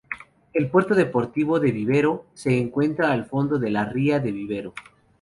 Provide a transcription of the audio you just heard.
El Puerto Deportivo de Vivero se encuentra al fondo de la ría de Vivero.